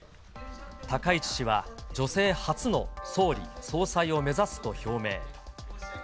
高市氏は女性初の総理総裁を目指すと表明。